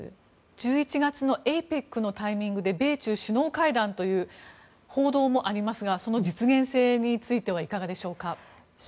１１月のＡＰＥＣのタイミングで米中首脳会談という報道もありますがその実現性についてはいかがでしょうか？